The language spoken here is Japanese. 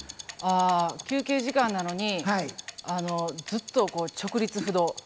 休憩時間なのにずっと直立不動。